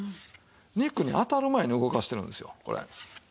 肉に当たる前に動かしてるんですよこれ。